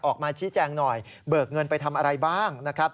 ออกมาชี้แจงหน่อยเบิกเงินไปทำอะไรบ้างนะครับ